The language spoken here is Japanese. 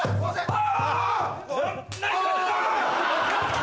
あ！